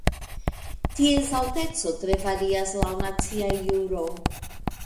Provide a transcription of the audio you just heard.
Ties alteco tre varias laŭ nacia juro.